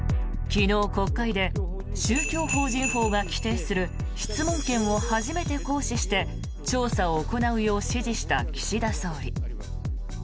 昨日、国会で宗教法人法が規定する質問権を初めて行使して調査を行うよう指示した岸田総理。